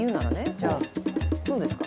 じゃあどうですか？